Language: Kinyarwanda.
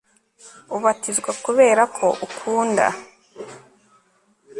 ubatizwa kubera ko ukunda